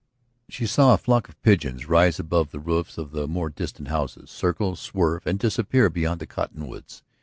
She saw a flock of pigeons rise above the roofs of the more distant houses, circle, swerve, and disappear beyond the cottonwoods.